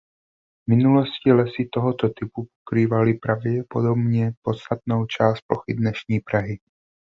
V minulosti lesy tohoto typu pokrývaly pravděpodobně podstatnou část plochy dnešní Prahy.